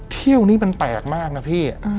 เที่ยวนี้มันแปลกมากนะพี่